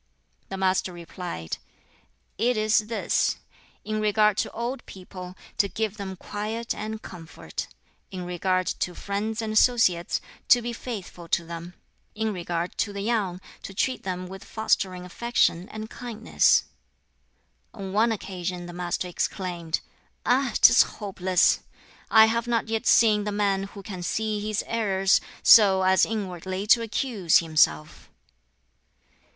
The Master replied, "It is this: in regard to old people, to give them quiet and comfort; in regard to friends and associates, to be faithful to them; in regard to the young, to treat them with fostering affection and kindness." On one occasion the Master exclaimed, "Ah, 'tis hopeless! I have not yet seen the man who can see his errors, so as inwardly to accuse himself."